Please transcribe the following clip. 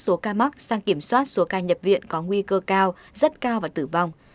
số ca mắc sang kiểm soát số ca nhập viện có nguy cơ cao rất cao và tử vong